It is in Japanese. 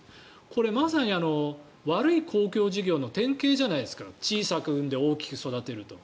これ、まさに悪い公共事業の典型じゃないですか小さく生んで大きく育てると。